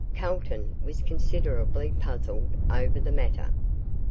Calton was considerably puzzled over the matter.